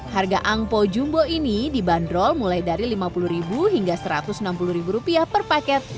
harga angpau jumbo ini dibanderol mulai dari lima puluh ribu hingga satu ratus enam puluh ribu rupiah per paket